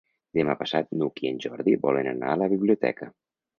Demà passat n'Hug i en Jordi volen anar a la biblioteca.